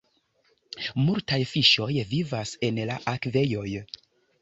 Multaj fiŝoj vivas en la akvejoj.